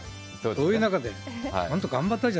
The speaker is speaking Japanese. そういう中でね、本当頑張ったじ